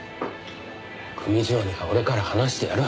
組長には俺から話してやる。